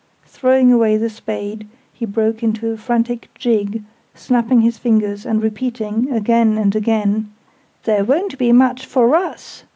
Throwing away the spade, he broke into a frantic jig, snapping his fingers, and repeating, again and again, "There won't be much for us!